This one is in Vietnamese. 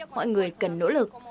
mọi người cần nỗ lực